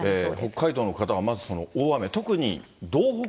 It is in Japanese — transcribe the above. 北海道の方は、まずその大雨、特に道北？